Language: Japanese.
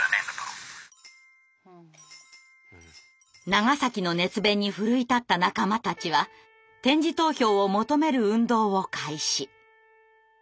長の熱弁に奮い立った仲間たちは点字投票を求める運動を開始。